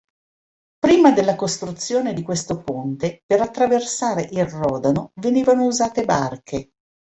Prima della costruzione di questo ponte, per attraversare il Rodano venivano usate barche.